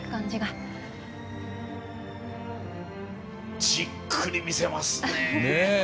じっくり見せますね。